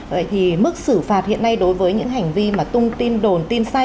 vậy thì mức xử phạt hiện nay đối với những hành vi mà tung tin đồn tin xã hội